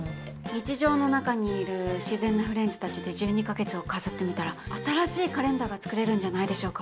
日常の中にいる自然なフレンズたちで１２か月を飾ってみたら新しいカレンダーが作れるんじゃないでしょうか。